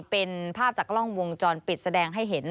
เป็นภาพจากกล้องวงจรปิดแสดงให้เห็น